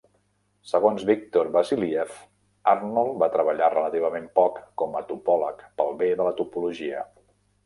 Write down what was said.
Segons Victor Vassiliev, Arnold va treballar relativament poc com a topòleg pel bé de la topologia.